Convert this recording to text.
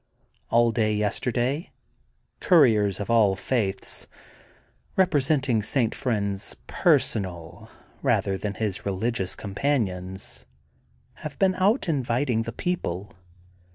All day yesterday couriers of all faiths, representing St. Friend *s personal rather than his religious companions, have been out invi ting the people.